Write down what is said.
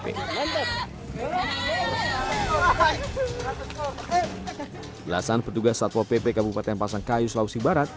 belasan petugas satpol pp kabupaten pasangkayu sulawesi barat